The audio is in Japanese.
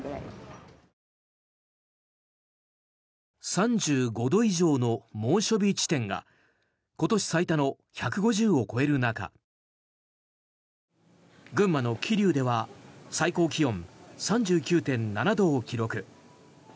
３５度以上の猛暑日地点が今年最多の１５０を超える中群馬の桐生では最高気温３９．７度を記録。